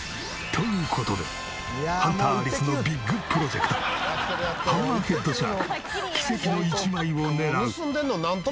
という事でハンターアリスのビッグプロジェクトハンマーヘッドシャーク奇跡の一枚を狙う。